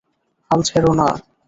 হাল ছেড়ো না।